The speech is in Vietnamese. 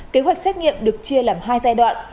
kế hoạch xét nghiệm được chia làm hai giai đoạn